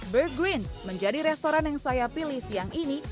burg green's menjadi restoran yang saya pilih siang ini